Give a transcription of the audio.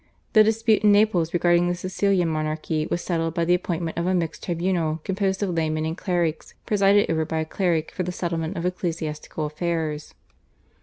The dispute in Naples regarding the Sicilian Monarchy was settled by the appointment of a mixed tribunal composed of laymen and clerics, presided over by a cleric for the settlement of ecclesiastical affairs.